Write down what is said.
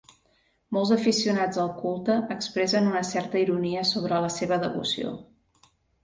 Molts aficionats al culte expressen una certa ironia sobre la seva devoció.